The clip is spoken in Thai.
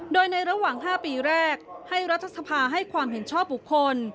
โดยในระหว่าง๕ปีแรกให้รัฐสภาให้ความเห็นชอบบุคคล